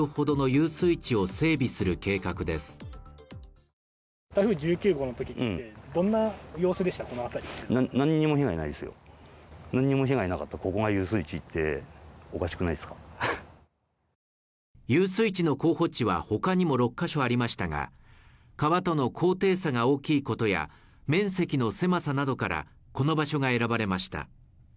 遊水地の候補地はほかにも６か所ありましたが川との高低差が大きいことや面積の狭さなどからこの場所が選ばれました